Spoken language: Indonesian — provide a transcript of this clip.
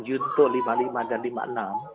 junto lima puluh lima dan lima puluh enam